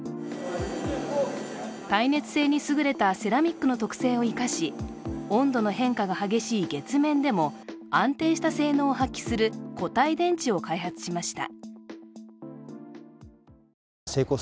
耐熱性にすぐれたセラミックの特性を生かし温度の変化が激しい月面でも安定した性能を発揮する固体電池を開発しました。